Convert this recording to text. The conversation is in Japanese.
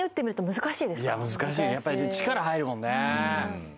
難しいねやっぱり力入るもんね